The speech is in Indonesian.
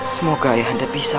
semoga ayah anda bisa